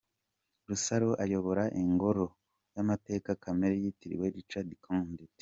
Rusaro ayobora ‘Ingoro y’Amateka Kamere’ yitiriwe Richard Kandt.